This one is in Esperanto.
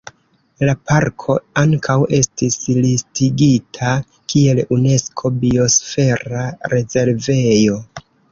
La parko ankaŭ estis listigita kiel Unesko Biosfera Rezervejo.